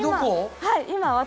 はい。